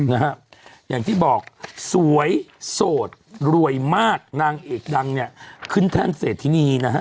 นะฮะอย่างที่บอกสวยโสดรวยมากนางเอกดังเนี่ยขึ้นแท่นเศรษฐินีนะฮะ